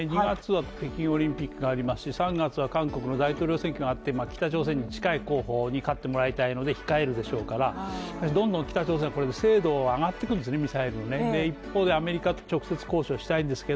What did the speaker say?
２月の北京オリンピックがありますし３月は韓国の大統領選挙があって北朝鮮に近い候補に勝ってもらいたいので控えるでしょうから、どんどん北朝鮮はこれで精度を上がってくんですね